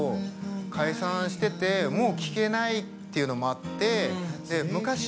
解散してて、もう聴けないっていうのもあって。